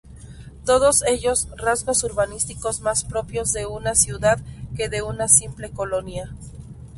Todos ellos rasgos urbanísticos más propios de una ciudad que de una simple colonia.